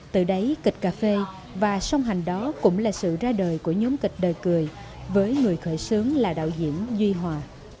từ đấy kịch cà phê và song hành đó cũng là sự ra đời của nhóm kịch đời cười với người khởi xướng là đạo diễn duy hòa